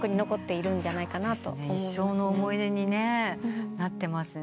一生の思い出になってますね。